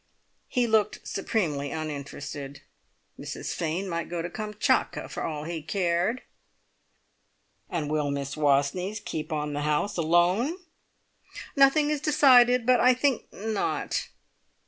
He looked supremely uninterested. Mrs Fane might go to Kamtschatka for all he cared! "And will Miss Wastneys keep on the house alone?" "Nothing is yet decided; but I think not!"